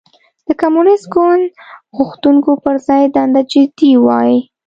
د کمونېست ګوند غوښتنو پر ځای دنده جدي وای.